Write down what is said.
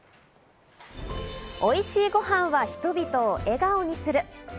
おいしいごはんは人々を笑顔にする。